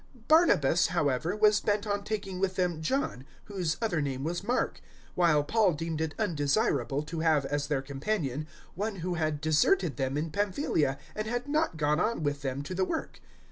015:037 Barnabas, however, was bent on taking with them John, whose other name was Mark, 015:038 while Paul deemed it undesirable to have as their companion one who had deserted them in Pamphylia and had not gone on with them to the work.